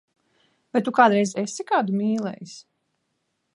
Vai Tu kādreiz esi kādu mīlējis?